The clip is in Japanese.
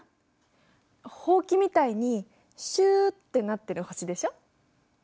ほうきみたいにシューってなってる星でしょ？